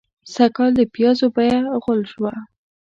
سږکال د پيازو بيه غول شوه.